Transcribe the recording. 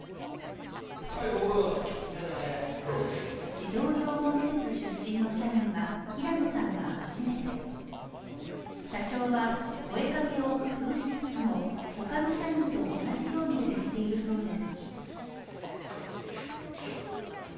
児童養護施設出身の社員は、平野さんが初めて社長は声かけを工夫しつつも、他の社員と同じように接しているそうです。